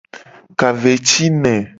Ka ve ci ne.